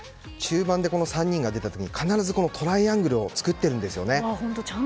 中盤でこの３人が出た時に必ずトライアングルを作ってるんですよね。